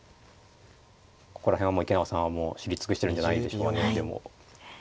ここら辺は池永さんはもう知り尽くしてるんじゃないでしょうかねでも。